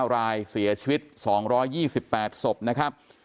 รายเสียชีวิต๒๒๘ศพนะครับ